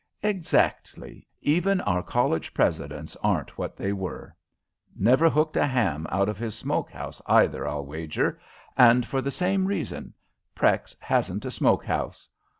"Exactly. Even our college presidents aren't what they were. Never hooked a ham out of his smoke house, either, I'll wager, and for the same reason Prex hasn't a smoke house.